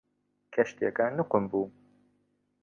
کەشتیەکە نوقم بوو.